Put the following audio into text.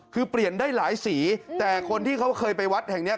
คือเปลี่ยนได้หลายสีแต่คนที่เขาเคยไปวัดแห่งเนี้ย